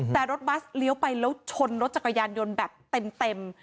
แต่รถบัสเลี้ยวไปแล้วชนรถจักรยานยนต์แบบเต็ม